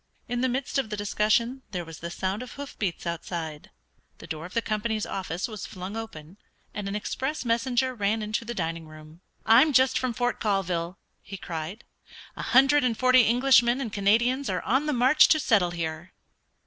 In the midst of the discussion there was the sound of hoof beats outside, the door of the company's office was flung open, and an express messenger ran into the dining room. "I'm just from Fort Colville!" he cried. "A hundred and forty Englishmen and Canadians are on the march to settle here!"